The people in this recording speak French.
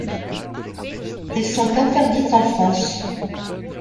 Elles sont interdites en France.